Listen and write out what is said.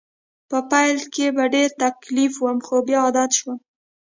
په پیل کې په ډېر تکلیف وم خو بیا عادت شوم